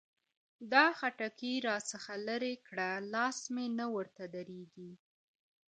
دا خټکي را څخه لري کړه؛ لاس مې نه ورته درېږي.